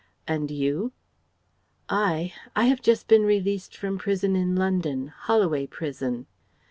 "And you?" "I? I have just been released from prison in London, Holloway Prison..."